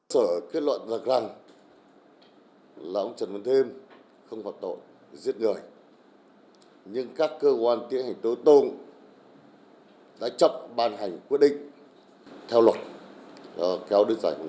sở kết luận rằng là ông trần văn thêm không phạt tội giết người nhưng các cơ quan tiến hành tố tụng đã chấp ban hành quyết định theo luật kéo đến dạng này